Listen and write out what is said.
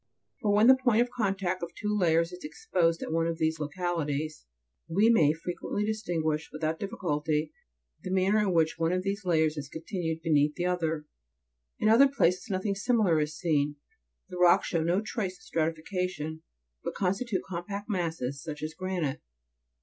for, when the point of contact of two layers is exposed at one of these localities, we may frequently distinguish, without difficulty, the manner in which one of these layers is continued beneath the other. 14. In other places nothing similar is seen ; the rocks show no trace of stratification, but constitute compact masses, such as granite.